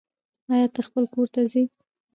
آيا ته خپل کور ته ځي